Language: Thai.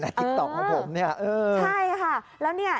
น้องเฮ้ยน้องเฮ้ย